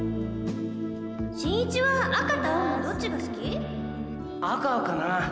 「新一は赤と青のどっちが好き？」「赤かな」